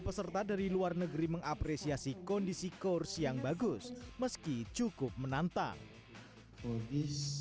peserta dari luar negeri mengapresiasi kondisi kursi yang bagus meski cukup menantang for this